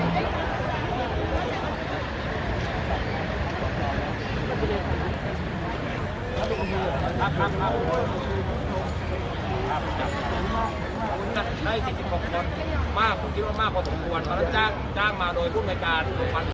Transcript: เพราะฉะนั้นจ้างจ้างมาโดยผู้บริการ